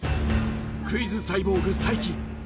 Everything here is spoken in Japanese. クイズサイボーグ才木